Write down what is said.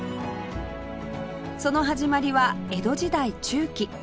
その始まりは江戸時代中期